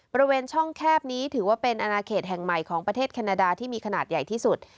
บริเวณช่องแคบนี้ถือว่าเป็นอนาเขตแห่งใหม่ของประเทศแคนาดาที่มีขนาดใหญ่ที่สุด